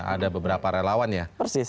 ada beberapa relawan ya